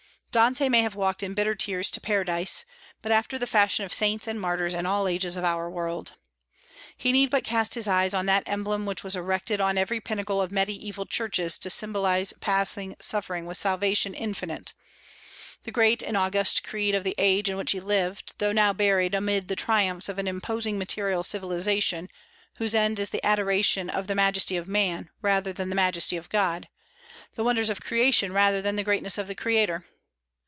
Dante may have walked in bitter tears to Paradise, but after the fashion of saints and martyrs in all ages of our world. He need but cast his eyes on that emblem which was erected on every pinnacle of Mediaeval churches to symbolize passing suffering with salvation infinite, the great and august creed of the age in which he lived, though now buried amid the triumphs of an imposing material civilization whose end is the adoration of the majesty of man rather than the majesty of God, the wonders of creation rather than the greatness of the Creator.